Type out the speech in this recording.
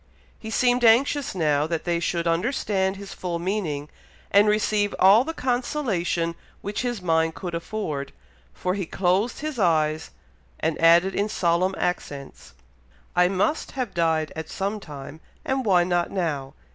He seemed anxious now that they should understand his full meaning, and receive all the consolation which his mind could afford, for he closed his eyes, and added in solemn accents, "I must have died at some time, and why not now?